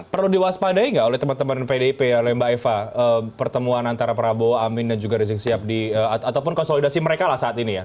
perlu diwaspadai nggak oleh teman teman pdip oleh mbak eva pertemuan antara prabowo amin dan juga rizik siap di ataupun konsolidasi mereka lah saat ini ya